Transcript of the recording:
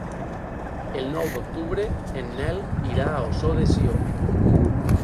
El nou d'octubre en Nel irà a Ossó de Sió.